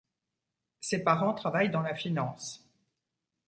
Ses parents travaillent dans la finance.